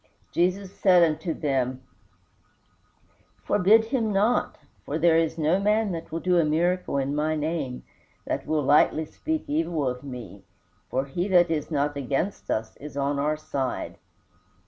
Jesus said unto them, "Forbid him not, for there is no man that will do a miracle in my name that will lightly speak evil of me. For he that is not against us is on our side."